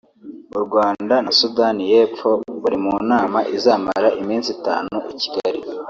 u Rwanda na Sudani y’Epfo bari mu nama izamara iminsi itanu i Kigali